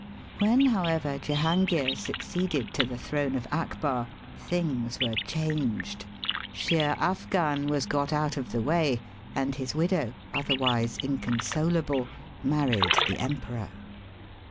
When, however, Jehangir succeeded to the throne of Akbar, things were changed. Sheer Afgan was got out of the way, and his widow, otherwise inconsolable, married the Emperor.